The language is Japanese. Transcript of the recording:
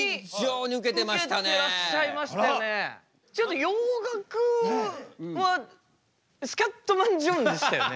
ちょっと洋楽はスキャットマン・ジョンでしたよね。